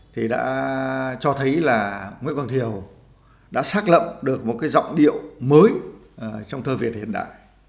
thì đã cho thấy là nguyễn quang thiều đã xác lập được một cái giọng điệu mới trong thơ việt hiện đại